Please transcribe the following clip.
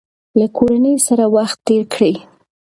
له کورنۍ سره وخت تېر کړئ.